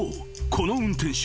この運転手］